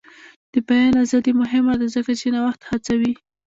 د بیان ازادي مهمه ده ځکه چې نوښت هڅوي.